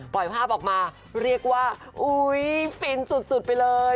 ภาพออกมาเรียกว่าอุ๊ยฟินสุดไปเลย